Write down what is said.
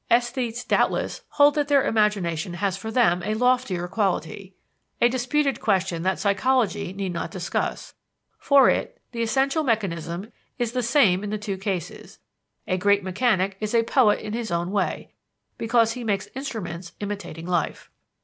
Esthetes, doubtless, hold that their imagination has for them a loftier quality a disputed question that psychology need not discuss; for it, the essential mechanism is the same in the two cases: a great mechanic is a poet in his own way, because he makes instruments imitating life.